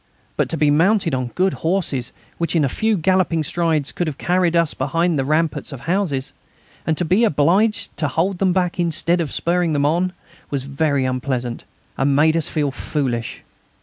But to be mounted on good horses, which in a few galloping strides could have carried us behind the rampart of houses, and to be obliged to hold them back instead of spurring them on, was very unpleasant, and made us feel foolish.